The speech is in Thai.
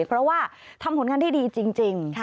เพราะว่าทำผลการณ์ดีจริง